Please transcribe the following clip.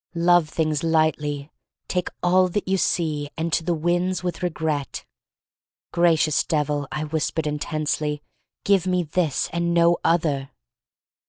Love things lightly, take all that you see, and to the winds with regret! Gracious Devil, I whis pered intensely, give me this and no other!